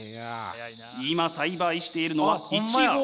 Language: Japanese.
今栽培しているのはイチゴ。